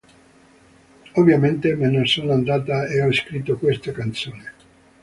Ovviamente me ne sono andata e ho scritto questa canzone".